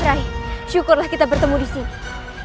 rai syukurlah kita bertemu disini